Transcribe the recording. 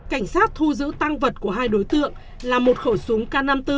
cảnh sát thu giữ tăng vật của hai đối tượng là một khẩu súng k năm mươi bốn